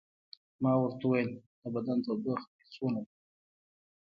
ما ورته وویل: د بدن تودوخه مې څومره ده؟